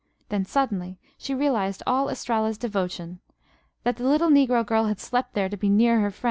Then, suddenly, she realized all Estralla's devotion. That the little negro girl had slept there to be near her "fr'en'."